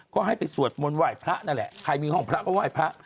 ก็ให้ไปสวดมนต์ไหว้พระนั่นแหละใครมีห้องพระก็ไหว้พระ